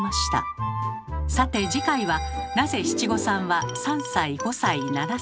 さて次回は「なぜ七五三は３歳・５歳・７歳？」